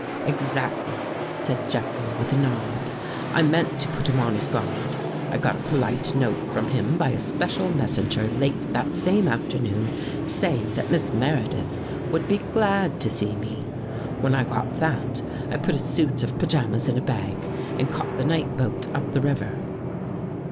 " Exactly," said Jeffrey, with a nod. " I meant to put him on his guard. I got a polite note from him by a special messenger late that same afternoon, saying that Miss Meredith would be glad to see me. When I got that, I put a suit of pajamas in a bag and caught the night boat up the river."